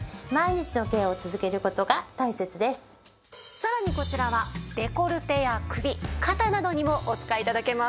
さらにこちらはデコルテや首肩などにもお使い頂けます。